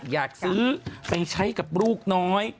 อยากซื้อไปใช้กับลูกน้อย